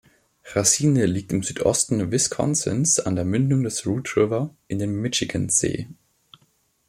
Racine liegt im Südosten Wisconsins an der Mündung des Root River in den Michigansee.